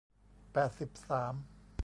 แปดสิบสาม